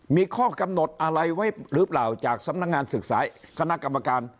มีข้อกำหนดอะไรไว้หรือเปล่าจากสำนักงานศึกษาคณะกรรมการ